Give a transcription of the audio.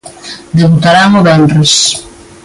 Debutarán o venres.